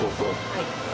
はい。